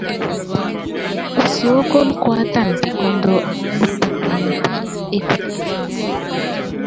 Usiókóló kuátana pikɔ́ndɔ́, utumenyi pí ékupíne.